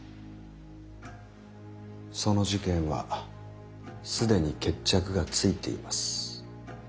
その事件は既に決着がついています。